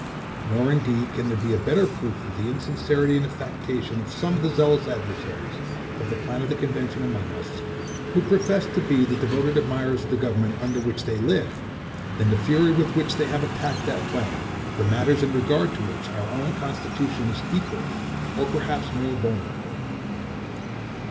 Nor indeed can there be a better proof of the insincerity and affectation of some of the zealous adversaries of the plan of the convention among us, who profess to be the devoted admirers of the government under which they live, than the fury with which they have attacked that plan, for matters in regard to which our own constitution is equally or perhaps more vulnerable.